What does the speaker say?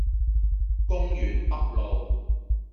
公園北路